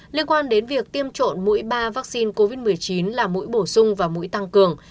liên quan đến việc tiêm trộn mũi ba vaccine covid một mươi chín là mũi bổ sung và mũi tăng cường